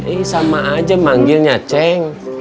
ini sama aja manggilnya ceng